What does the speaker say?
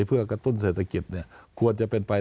เพื่อกระตุ้นเศรษฐกิจควรจะเป็นไป